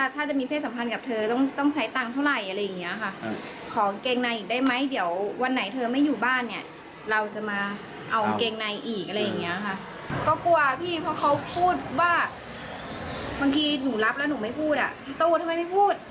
ตัวทำไมไม่พูดเดี๋ยวไปหาเดี๋ยวไปหา